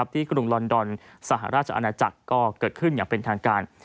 กรุงลอนดอนสหราชอาณาจักรก็เกิดขึ้นอย่างเป็นทางการ